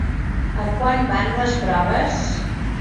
A quant van les proves?